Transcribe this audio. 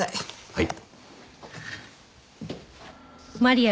はい。